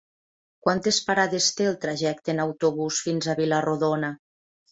Quantes parades té el trajecte en autobús fins a Vila-rodona?